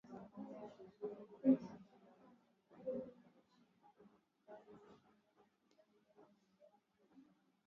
Ini kuvimba au kupanuka na kuvurugika na yenye madoadoa